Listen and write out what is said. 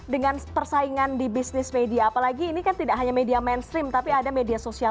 dengan persaingan di bisnis media apalagi ini kan tidak hanya media mainstream tapi ada media sosial